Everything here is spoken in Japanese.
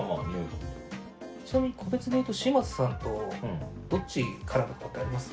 ちなみに個別でいうと嶋佐さんとどっち絡むとかってあります？